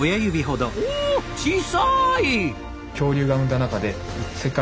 おお小さい！